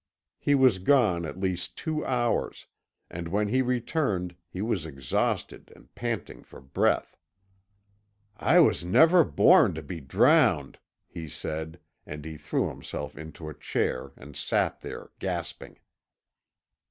He was gone at least two hours, and when he returned he was exhausted and panting for breath. "I was never born to be drowned," he said, and he threw himself into a chair, and sat there, gasping.